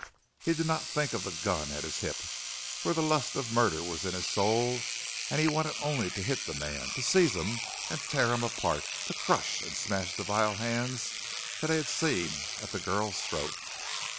He did not think of the gun at his hip, for the lust of murder was in his soul and he wanted only to hit the man to seize him and tear him apart to crush and smash the vile hands that he had seen at the girl's throat.